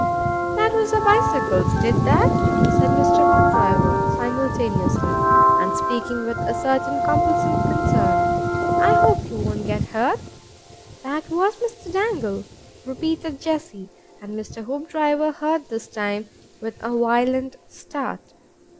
"That was our bicycles did that," said Mr. Hoopdriver simultaneously, and speaking with a certain complacent concern. "I hope he won't get hurt." "That was Mr. Dangle," repeated Jessie, and Mr. Hoopdriver heard this time, with a violent start.